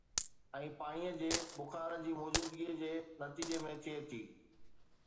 ۽ پاڻيء جي بخار جي موجودگي جي نتيجي ۾ ٿئي ٿي